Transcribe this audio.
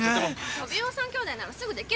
トビウオ三兄弟ならすぐできるわよ。